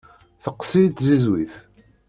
Teqqes-iyi tzizwit.